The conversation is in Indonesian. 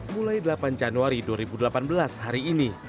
mulai delapan januari dua ribu delapan belas hari ini